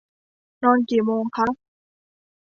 นอนกี่โมงคะ